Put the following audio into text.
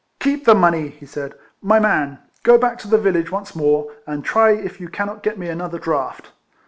"Keep the money," he said, " my man. Go back to the village once more, and try if you cannot get me another draught."